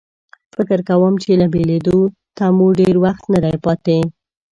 فکر کوم چې له بېلېدو ته مو ډېر وخت نه دی پاتې.